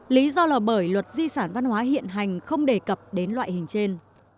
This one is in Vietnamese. lý do là bởi luật di sản văn hóa hiện hành không đề cập đến loại hình trên